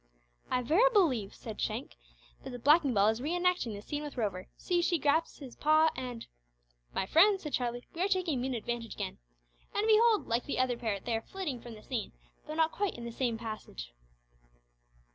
"I verily believe," said Shank, "that the blacking ball is re enacting the scene with Rover! See! she grasps his paw, and " "My friend," said Charlie, "we are taking mean advantage again! And, behold! like the other pair, they are flitting from the scene, though not quite in the same fashion."